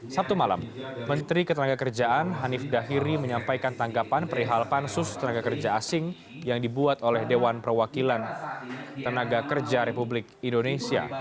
sabtu malam menteri ketenaga kerjaan hanif dahiri menyampaikan tanggapan perihal pansus tenaga kerja asing yang dibuat oleh dewan perwakilan tenaga kerja republik indonesia